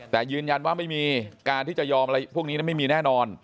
แต่ยืนยันว่าไม่มีการที่จะยอมอะไรพวกนี้ไม่มีแน่นอน